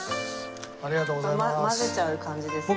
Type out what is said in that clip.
ありがとうございます。